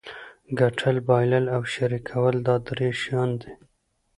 ګټل بایلل او شریکول دا درې شیان دي.